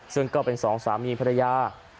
ซึ่งก็เป็นสองสามีภรรยา